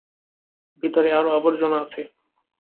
ভিতরে আরো আবর্জনা আছে।